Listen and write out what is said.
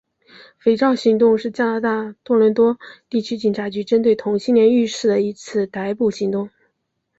肥皂行动是加拿大大多伦多地区警察局针对同性恋浴室的一次逮捕行动。